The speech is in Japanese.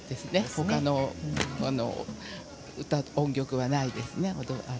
他の音曲はないですね。